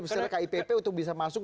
misalnya kipp untuk bisa masuk